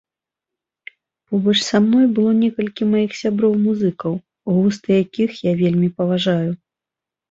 Побач са мной было некалькі маіх сяброў-музыкаў, густы якіх я вельмі паважаю.